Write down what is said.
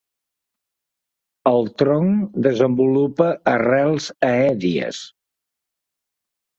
El tronc desenvolupa arrels aèries.